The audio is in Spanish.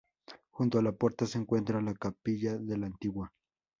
Junto a la puerta se encuentra la capilla de la Antigua.